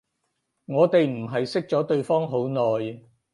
我哋唔係識咗對方好耐